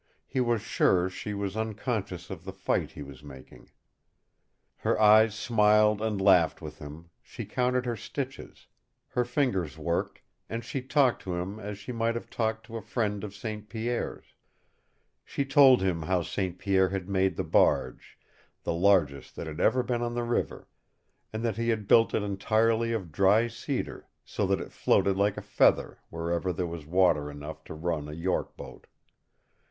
He was sure she was unconscious of the fight he was making. Her eyes smiled and laughed with him, she counted her stitches, her fingers worked, and she talked to him as she might have talked to a friend of St. Pierre's. She told him how St. Pierre had made the barge, the largest that had ever been on the river, and that he had built it entirely of dry cedar, so that it floated like a feather wherever there was water enough to run a York boat.